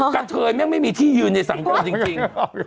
กัตเธอยังไม่มีที่อยู่ในสังเกิดจริง